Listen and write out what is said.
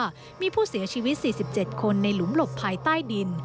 ว่ามีผู้เสียชีวิต๔๗คนในหลุมหลบภายใต้ดิน